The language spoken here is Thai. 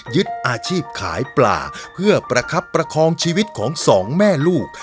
ยึดอาชีพขายปลาเพื่อประคับประคองชีวิตของสองแม่ลูก